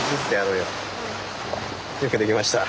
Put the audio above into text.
うん。よくできました。